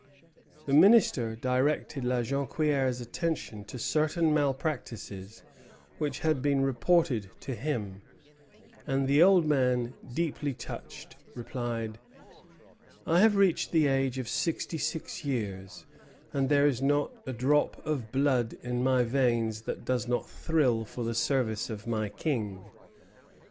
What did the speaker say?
The Minister directed La Jonquière's attention to certain malpractices which had been reported to him; and the old man, deeply touched, replied: "I have reached the age of sixty six years, and there is not a drop of blood in my veins that does not thrill for the service of my King.